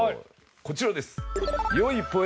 こちらです。